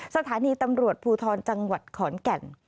สถานีตำรวจภูทรจังหวัดขอนแก่น